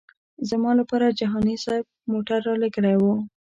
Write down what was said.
زما لپاره جهاني صاحب موټر رالېږلی و.